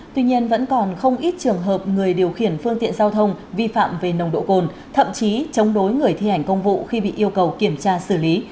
tuy nhiên vẫn còn không ít trường hợp người điều khiển phương tiện giao thông vi phạm về nồng độ cồn thậm chí chống đối người thi hành công vụ khi bị yêu cầu kiểm tra xử lý